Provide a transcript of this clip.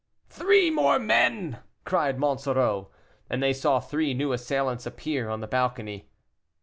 "Three more men," cried Monsoreau. And they saw three new assailants appear on the balcony.